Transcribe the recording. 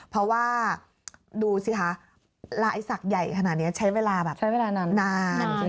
เพราะว่าดูสิคะลายศักดิ์ใหญ่ขนาดนี้ใช้เวลาแบบใช้เวลานานจริง